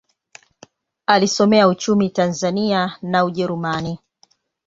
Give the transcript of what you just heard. Alisomea uchumi Tanzania na Ujerumani.